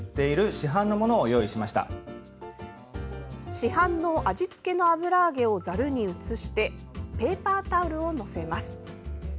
市販の味付けの油揚げをざるに移してペーパータオルを載せます。